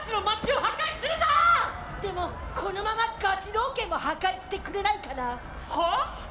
でもこのままガチ脳研も破壊してくれないかな。